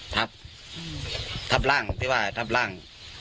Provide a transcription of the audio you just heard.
ทับล่างที่ว่าทับล่าง